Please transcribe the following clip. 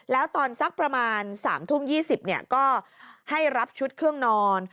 แล้วตอนสักประมาณ๓ทุ่ม๒๐ก็ให้รับชุดเครื่องนอน